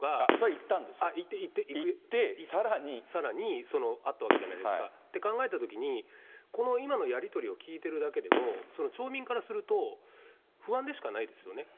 いって、さらにあったわけじゃないですか。って考えたときに、この今のやり取りを聞いてるだけでも、町民からすると、不安でしかないですよね。